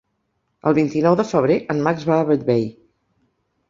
El vint-i-nou de febrer en Max va a Bellvei.